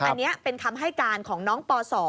อันนี้เป็นคำให้การของน้องป๒